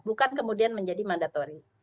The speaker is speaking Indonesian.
bukan kemudian menjadi mandatory